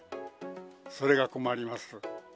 それが困ります。